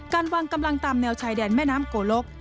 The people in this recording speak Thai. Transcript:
การวางกำลังตามแนวชายแดนแม่น้ำโกลก